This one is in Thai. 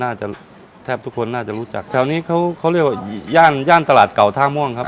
แทบทุกคนน่าจะรู้จักแถวนี้เขาเขาเรียกว่าย่านย่านตลาดเก่าท่าม่วงครับ